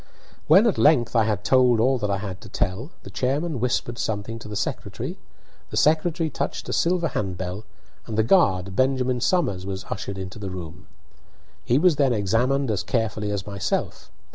When at length I had told all that I had to tell, the chairman whispered something to the secretary; the secretary touched a silver hand bell, and the guard, Benjamin Somers, was ushered into the room. He was then examined as carefully as myself.